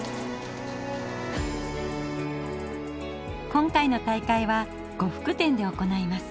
今回の大会は呉服店で行います。